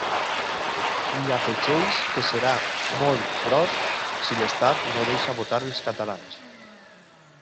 I afegeix que serà ‘molt gros’ si l’estat no deixa votar els catalans.